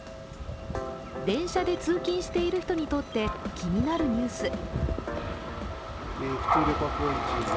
電車で通勤している人にとって気になるニュース。